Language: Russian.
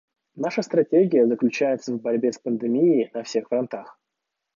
Наша стратегия заключается в борьбе с пандемией на всех фронтах.